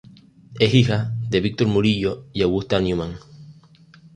Es hija de Víctor Murillo y Augusta Neumann.